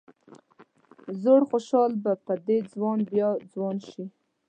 زوړ خوشال به په دې ځوان بیا ځوان شي.